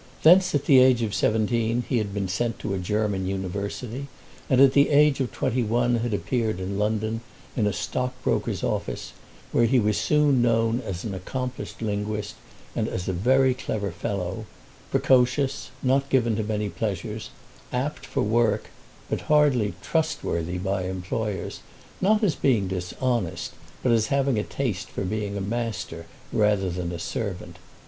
Thence at the age of seventeen he had been sent to a German University, and at the age of twenty one had appeared in London, in a stockbroker's office, where he was soon known as an accomplished linguist, and as a very clever fellow, precocious, not given to many pleasures, apt for work, but hardly trustworthy by employers, not as being dishonest, but as having a taste for being a master rather than a servant.